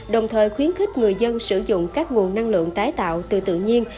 đồng thời khuyến khích người dân sử dụng các nguồn năng lượng tái tạo từ tự nhiên